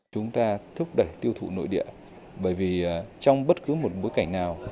chúng ta thúc đẩy tiêu thụ nội địa bởi vì trong bất cứ một bối cảnh nào